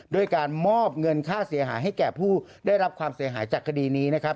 ด้วยการมอบเงินค่าเสียหายให้แก่ผู้ได้รับความเสียหายจากคดีนี้นะครับ